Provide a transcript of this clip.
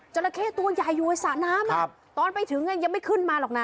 ราเข้ตัวใหญ่อยู่ในสระน้ำตอนไปถึงยังไม่ขึ้นมาหรอกนะ